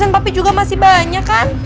tapi juga masih banyak kan